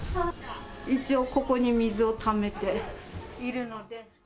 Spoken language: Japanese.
一応ここに水をためているので。